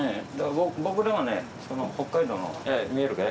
僕らはね北海道の見えるかい？